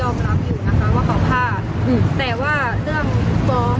ไม่ใช่เป็นอย่างเดิม